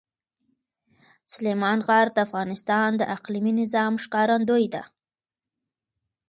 سلیمان غر د افغانستان د اقلیمي نظام ښکارندوی ده.